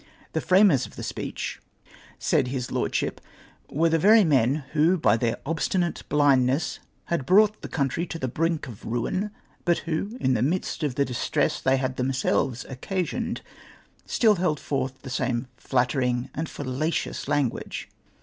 The framers of the speech, said p 4 •21G SIR FRAXCIS CURDI:TT ,S ADDRESS liis Lordship, were the very men who by their obstinate bhndness had brought the country to the brink of ruin, but Avho, in tlie midst of the distresses tliey had tliemselves occasioned, still held forth the same Hat tering and fallacious language.